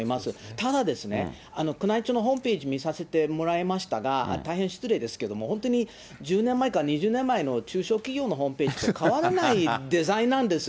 ただですね、宮内庁のホームページ見させてもらいましたが、大変失礼ですけれども、本当に１０年前か２０年前の中小企業のホームページと変わらないデザインなんです。